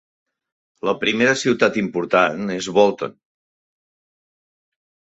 La primera ciutat important és Bolton.